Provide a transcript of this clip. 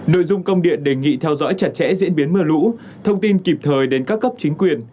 nội dung công điện đề nghị theo dõi chặt chẽ diễn biến mưa lũ thông tin kịp thời đến các cấp chính quyền